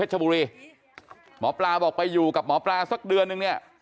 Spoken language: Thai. ชบุรีหมอปลาบอกไปอยู่กับหมอปลาสักเดือนนึงเนี่ย